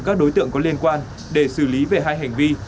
các đối tượng có liên quan để xử lý về hai hành vi